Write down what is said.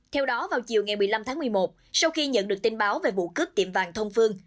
theo đó vào chiều ngày một mươi năm tháng một mươi một sau khi nhận được tin báo về vụ cướp tiệm vàng thông phương